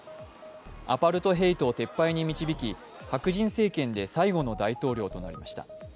アパルトヘイトを撤廃に導き白人政権で最後の大統領となりました。